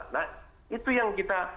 nah itu yang kita